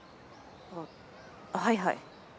あっはいはい。